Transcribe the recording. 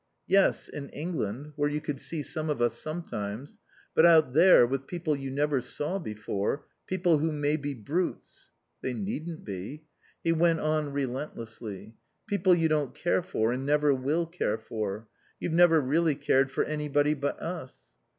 "Yes, in England, where you could see some of us sometimes. But out there, with people you never saw before people who may be brutes " "They needn't be." He went on relentlessly. "People you don't care for and never will care for. You've never really cared for anybody but us."